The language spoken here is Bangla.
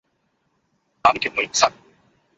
আমি কেউ নই, স্যার?